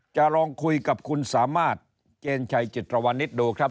จะลองคุยกับคุณสามารถเจนชัยจิตรวรรณิตดูครับ